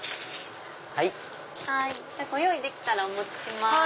ご用意できたらお持ちします。